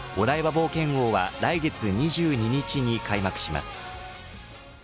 冒険王は来月２２日に開幕します。